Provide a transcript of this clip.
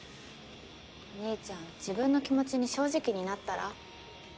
お兄ちゃん自分の気持ちに正直になったら？